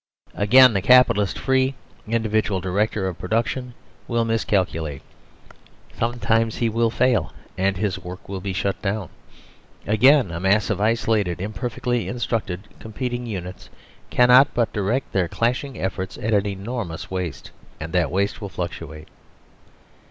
Again, the Capitalist, free, individual direc tor of production, will miscalculate ; sometimes he will fail, and his works will be shut down. Again, a mass of isolated, imperfectly instructed competing units cannot but direct their clashing efforts at an en ormous waste, and that waste will fluctuate.